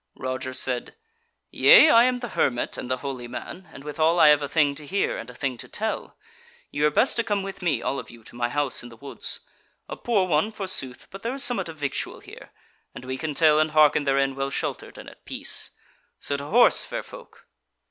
Roger said: "Yea, I am the hermit and the holy man; and withal I have a thing to hear and a thing to tell. Ye were best to come with me, all of you, to my house in the woods; a poor one, forsooth, but there is somewhat of victual here, and we can tell and hearken therein well sheltered and at peace. So to horse, fair folk."